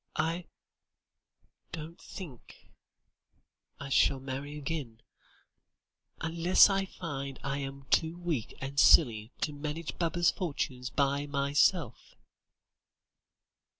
I don't think I shall marry again unless I find I am too weak and silly to manage Baba's fortune by myself."